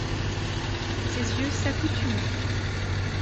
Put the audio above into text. Ses yeux s’accoutumaient.